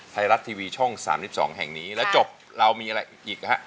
ไทยรัฐทีวีช่อง๓๒แห่งนี้แล้วจบเรามีอะไรอีกนะฮะ